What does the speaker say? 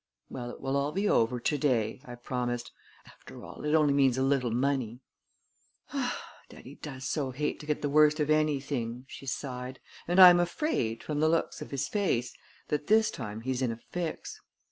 "Well, it will all be over to day," I promised. "After all, it only means a little money." "Daddy does so hate to get the worst of anything," she sighed; "and I am afraid, from the looks of his face, that this time he's in a fix."